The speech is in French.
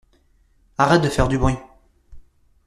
Arrête de faire du bruit!